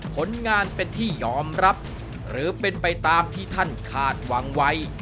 ผลงานเป็นที่ยอมรับหรือเป็นไปตามที่ท่านคาดหวังไว้